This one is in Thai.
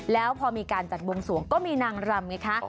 แล้วพอมีการจัดบวงสวงก็มีนางรำไงคะ